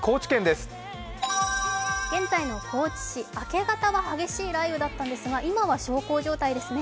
現在の高知市明け方は激しい雷雨だったんですが今は小康状態ですね。